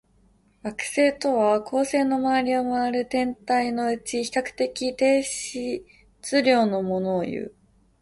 惑星とは、恒星の周りを回る天体のうち、比較的低質量のものをいう。